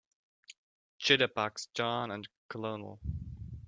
Jitterbugs JOHN and the COLONEL.